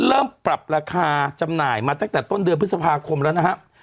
เริ่มปรับราคาจำหน่ายมาตั้งแต่ต้นเดือนพฤษภาคมแล้วนะครับ